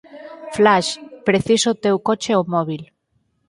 Flash, preciso o teu coche e o móbil.